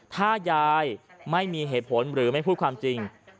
ถ้ายายไม่มีเหตุผลหรือไม่พูดความจริง